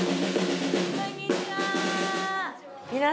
こんにちは。